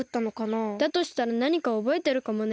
だとしたらなにかおぼえてるかもね。